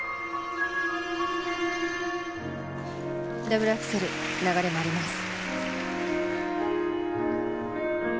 ダブルアクセル流れもあります